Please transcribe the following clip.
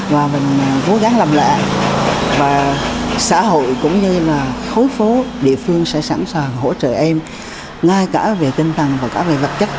và mình cố gắng làm lại và xã hội cũng như là khối phố địa phương sẽ sẵn sàng hỗ trợ em ngay cả về tinh thần và cả về vật chất